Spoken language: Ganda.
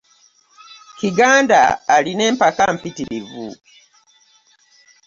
Kiganda alina empaka mpitirivu!